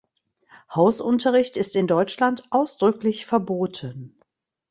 Hausunterricht ist in Deutschland ausdrücklich verboten.